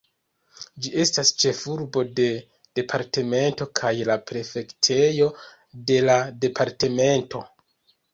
Ĝi estas ĉefurbo de departemento kaj la prefektejo de la departemento.